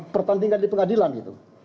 pertandingan di pengadilan gitu